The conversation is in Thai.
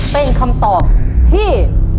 เป็นคำตอบที่